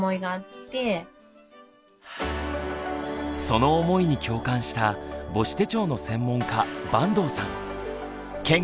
その思いに共感した母子手帳の専門家板東さん。